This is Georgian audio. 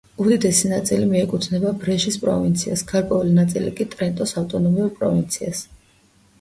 უდიდესი ნაწილი მიეკუთვნება ბრეშის პროვინციას, გარკვეული ნაწილი კი ტრენტოს ავტონომიურ პროვინციას.